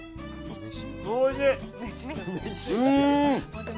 おいしい！